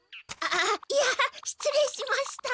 あいやしつれいしました。